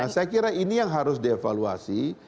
saya kira ini yang harus dievaluasi